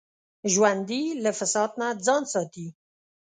ژوندي له فساد نه ځان ساتي